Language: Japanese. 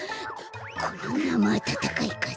このなまあたたかいかぜ。